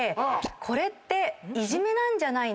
「これいじめなんじゃないの？」って